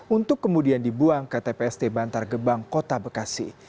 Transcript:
untuk kemudian dibuang ke tpst bantar gebang kota bekasi